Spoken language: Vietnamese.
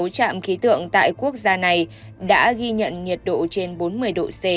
một mươi sáu trạm khí tượng tại quốc gia này đã ghi nhận nhiệt độ trên bốn mươi độ